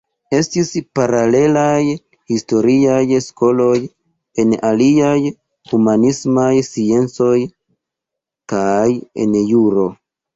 Estis paralelaj historiaj skoloj en aliaj humanismaj sciencoj kaj en juro.